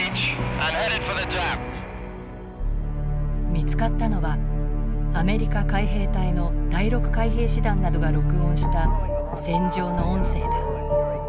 見つかったのはアメリカ海兵隊の第６海兵師団などが録音した戦場の音声だ。